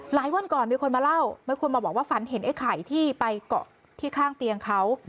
วันก่อนมีคนมาเล่ามีคนมาบอกว่าฝันเห็นไอ้ไข่ที่ไปเกาะที่ข้างเตียงเขา